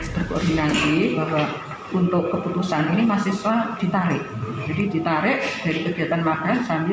terkoordinasi untuk keputusan ini masih selalu ditarik jadi ditarik dari kegiatan magas sambil